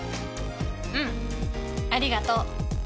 うんありがとう。